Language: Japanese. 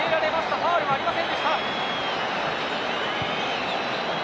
ファウルはありません。